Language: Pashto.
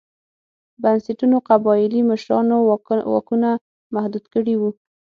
بنسټونو قبایلي مشرانو واکونه محدود کړي وو.